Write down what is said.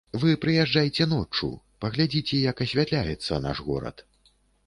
Вы прыязджайце ноччу, паглядзіце, як асвятляецца наш горад.